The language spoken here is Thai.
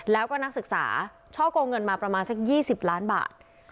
แล้วก็นักศึกษาช่อกงเงินมาประมาณสัก๒๐ล้านบาท